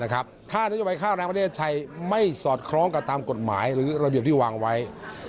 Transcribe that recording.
ข้าน้วยให้ใครไม่จะไห้การสอดคล้องกับจากกฎหมายทันที่วางไว้